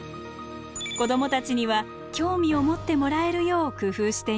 子どもたちには興味を持ってもらえるよう工夫しています。